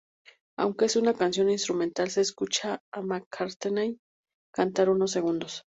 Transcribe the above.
Aunque es una canción instrumental se escucha a McCartney cantar unos segundos.